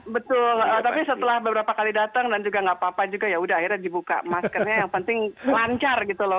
betul tapi setelah beberapa kali datang dan juga gak apa apa juga yaudah akhirnya dibuka maskernya yang penting lancar gitu loh